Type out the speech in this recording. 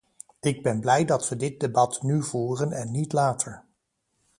Ik ben blij dat we dit debat nu voeren en niet later.